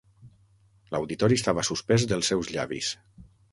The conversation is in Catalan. L'auditori estava suspès dels seus llavis.